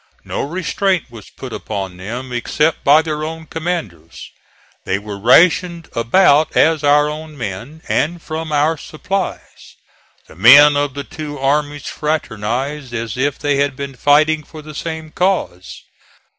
No restraint was put upon them, except by their own commanders. They were rationed about as our own men, and from our supplies. The men of the two armies fraternized as if they had been fighting for the same cause.